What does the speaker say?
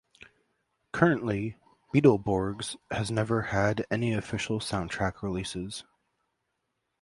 Currently, "Beetleborgs" has never had any official soundtrack releases.